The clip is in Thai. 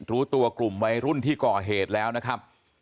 รู้ตัวกลุ่มวัยรุ่นที่ก่อเหตุแล้วนะครับ